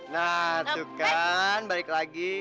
nah tuh kan balik lagi